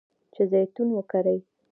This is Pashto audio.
چې زیتون وکري.